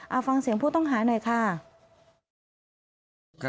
เอาฟังเสียงผู้ต้องหาหน่อยค่ะ